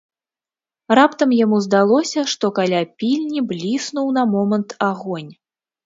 Раптам яму здалося, што каля пільні бліснуў на момант агонь.